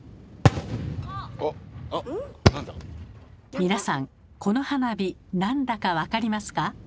皆さんこの花火何だか分かりますか？